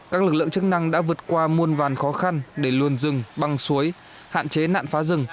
các lực lượng chức năng đã vượt qua muôn vàn khó khăn để luồn rừng băng suối hạn chế nạn phá rừng